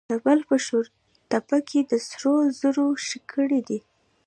د بلخ په شورتپه کې د سرو زرو شګې دي.